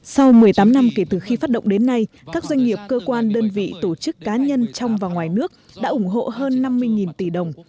sau một mươi tám năm kể từ khi phát động đến nay các doanh nghiệp cơ quan đơn vị tổ chức cá nhân trong và ngoài nước đã ủng hộ hơn năm mươi tỷ đồng